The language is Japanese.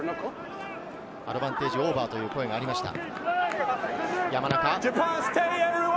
アドバンテージオーバーという声がありました。